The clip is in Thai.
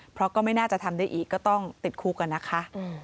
เพราะก็ไม่น่าจะทำได้อีกก็ต้องติดคุกกันนะคะ